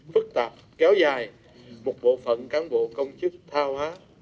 phức tạp kéo dài một bộ phận cán bộ công chức thao hóa